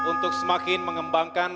untuk semakin mengembangkan